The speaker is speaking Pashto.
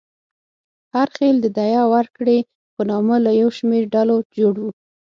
هر خېل د دیه ورکړې په نامه له یو شمېر ډلو جوړ و.